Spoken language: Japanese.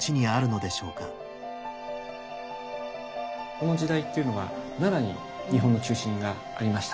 この時代っていうのが奈良に日本の中心がありました。